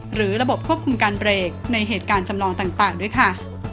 หรือระบบควบคุมการเบรกในเหตุการณ์จำลองต่างด้วยค่ะ